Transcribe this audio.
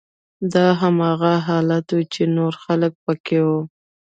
دا هماغه حالت و چې نور خلک پکې وو